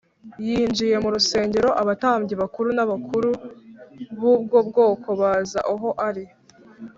Yinjiye mu rusengero abatambyi bakuru n’abakuru b’ubwo bwoko baza aho ari